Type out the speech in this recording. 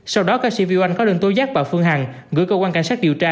sau đó ca sĩ viu oanh có đơn tố giác và phương hằng gửi cơ quan cảnh sát điều tra